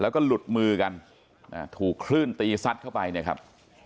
แล้วก็หลุดมือกันถูกคลื่นตีซัดเข้าไปเนี่ยครับ